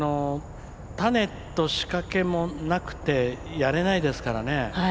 種と仕掛けもなくてやれないですから。